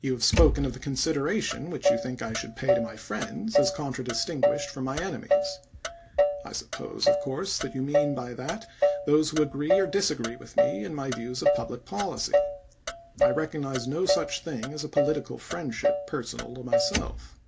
"You have spoken of the consideration which you think I should pay to my friends as contra distinguished from my enemies. I suppose, of course, that you mean by that those who agi'ee or disagree with me in my views of public policy. I recognize no such thing as a political friendship personal to myself.